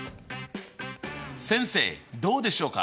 先生どうでしょうか？